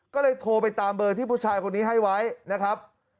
ก็เลยโทรไปตามเบอร์ที่ผู้ชายคนนี้ให้ไว้นะครับ